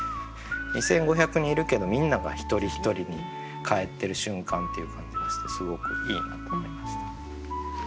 ２，５００人いるけどみんなが一人一人にかえってる瞬間っていう感じがしてすごくいいなと思いました。